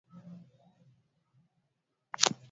sifa kwa Mungu Uzingatifu wake wa fumbo la nafsi yake ambamo